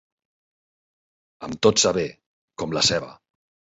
Amb tot s'avé, com la ceba.